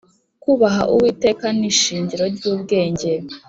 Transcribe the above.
“kubaha uwiteka ni ishingiro ry’ubwenge